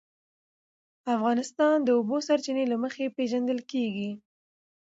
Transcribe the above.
افغانستان د د اوبو سرچینې له مخې پېژندل کېږي.